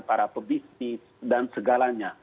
para pebisnis dan segalanya